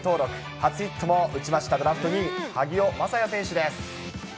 初ヒットも打ちました、ドラフト２位、萩尾匡也選手です。